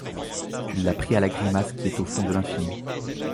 Tu l’as pris à la grimace qui est au fond de l’infini.